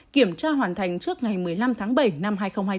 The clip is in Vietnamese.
kiểm tra hoàn thành trước ngày một mươi năm tháng bảy năm hai nghìn hai mươi